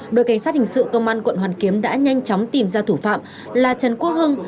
đội cảnh sát hình sự công an quận hoàn kiếm đã nhanh chóng tìm ra thủ phạm là trần quốc hưng